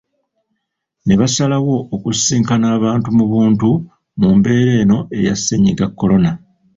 Ne basalawo okusisinkana abantu mu buntu mu mbeera eno eya ssennyiga korona.